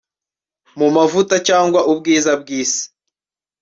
mu mavuta cyangwa ubwiza bw'isi